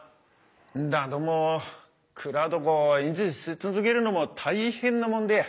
だども蔵どこを維持し続けるのも大変なもんで。